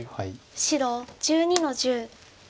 白１２の十。